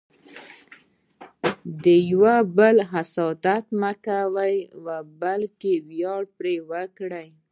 د یو بل حسادت مه کوه، بلکې ویاړ پرې وکړه.